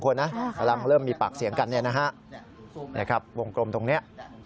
กำลังเริ่มมีปากเสียงกันวงกลมตรงนี้